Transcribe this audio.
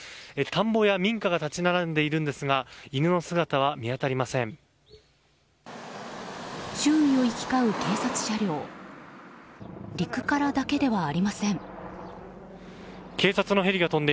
田んぼや民家が立ち並んでいるんですが犬の姿は見当たりません。